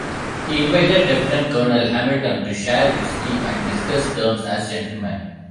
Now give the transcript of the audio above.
He invited Lieutenant Colonel Hamilton to share wiskey and discuss terms as gentlemen.